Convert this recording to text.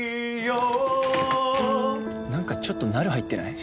何かちょっとナル入ってない？